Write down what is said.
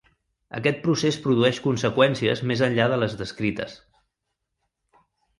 Aquest procés produeix conseqüències més enllà de les descrites.